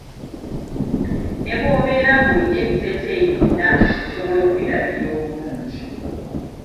Ne bwobeera nga olina ebiteteeyi bina nga osobola okubirabirira obulungi.